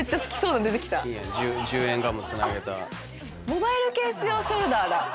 モバイルケース用ショルダーだ。